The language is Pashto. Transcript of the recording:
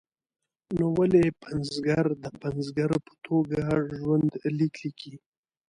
نو ولې پنځګر د پنځګر په توګه ژوند لیک لیکي.